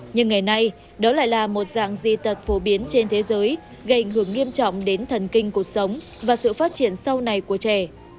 nhưng ngày nay đó lại là một dạng di tật phổ biến trên thế giới gây ảnh hưởng nghiêm trọng đến thần kinh cuộc sống và sự phát triển sau này của trẻ